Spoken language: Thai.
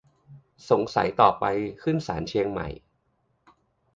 สงสัยต่อไปขึ้นศาลเชียงใหม่